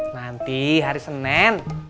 nanti hari senin